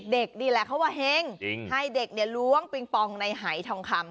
เด็กนี่แหละเขาว่าเฮงให้เด็กล้วงปิงปองในหายทองคำ